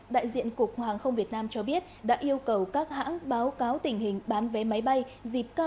đại diện cục hàng không việt nam cho biết đã yêu cầu các hãng báo cáo tình hình bán vé máy bay dịp cao điểm nghỉ lễ hạn cuối là vào ngày hai mươi tám tháng bốn